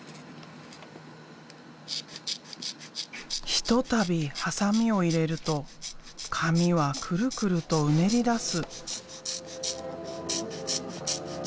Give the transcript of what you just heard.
ひとたびハサミを入れると紙はくるくるとうねりだす。